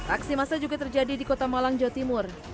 aksi masa juga terjadi di kota malang jawa timur